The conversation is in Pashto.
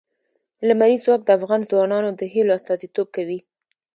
لمریز ځواک د افغان ځوانانو د هیلو استازیتوب کوي.